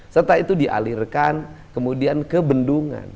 serta itu dialirkan kemudian ke bendungan